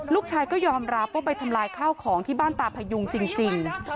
ลูกชายก็ยอมรับว่าไปทำลายข้าวของที่บ้านตาพยุงจริง